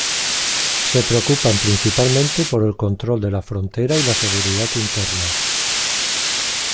Se preocupan principalmente por el control de la frontera y la seguridad interna.